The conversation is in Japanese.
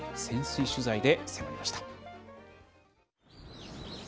潜水取材で迫りました。